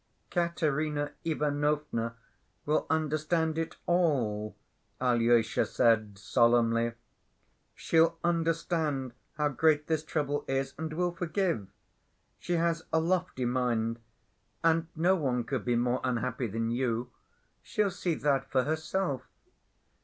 "Katerina Ivanovna will understand it all," Alyosha said solemnly. "She'll understand how great this trouble is and will forgive. She has a lofty mind, and no one could be more unhappy than you. She'll see that for herself."